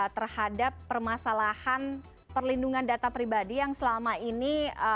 terhadap permasalahan perlindungan data pribadi yang selama ini